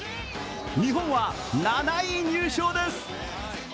日本は７位入賞です。